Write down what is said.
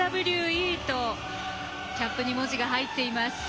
「ＳＷＥ」とキャップに文字が入っています。